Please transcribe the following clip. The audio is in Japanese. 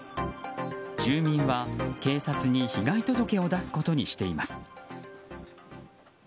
住民は、警察に被害届を出すことにしています。